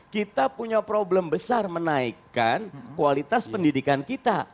kita punya problem besar menaikkan kualitas pendidikan kita